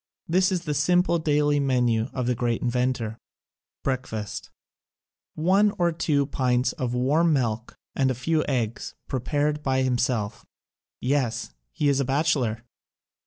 This is the simple daily menu of the great inventor: Breakfast: One to two pints of warm milk and a few eggs, prepared by himself — yes, he is a bachelor!